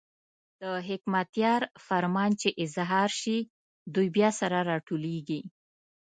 د حکمتیار فرمان چې اظهار شي، دوی بیا سره راټولېږي.